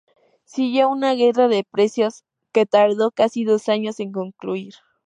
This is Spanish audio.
Siguió una guerra de precios que tardó casi dos años en concluir.